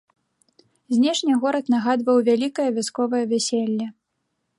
Знешне горад нагадваў вялікае вясковае вяселле.